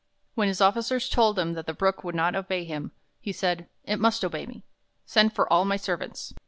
When his officers told him 'that the Brook would not obey him, he said: ''It must obey me. Send for all my servants."